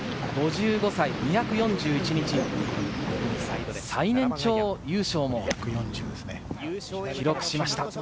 ５５歳２４１日、最年長優勝も記録しました。